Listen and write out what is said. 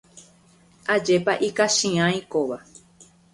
Ajépa ikachiãi kóva.